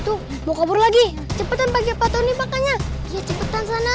tapi kalau dia jahat kenapa dia mau nolongin aku pas aku ketabrak